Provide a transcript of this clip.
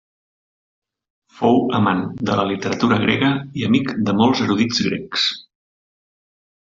Fou amant de la literatura grega i amic de molts erudits grecs.